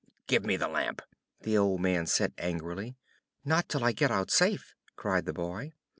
"Give me the Lamp," said the old man, angrily. "Not till I get out safe," cried the boy.